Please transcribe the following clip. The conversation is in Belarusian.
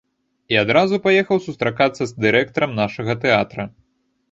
І адразу паехаў сустракацца з дырэктарам нашага тэатра.